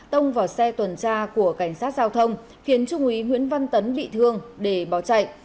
tông vào xe tuần tra của cảnh sát giao thông khiến trung úy nguyễn văn tấn bị thương để bỏ chạy